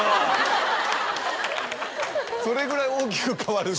それぐらい大きく変わる。